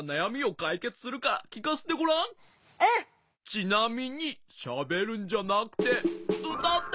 ちなみにしゃべるんじゃなくてうたって。